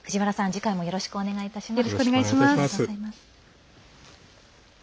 次回もよろしくお願いいたします。